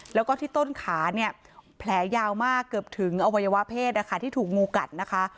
แล้วก็ที่ต้นขาเนี่ยแผลยาวมากเกือบถึงอวัยวะเพศที่ถูกงูกัดนะคะ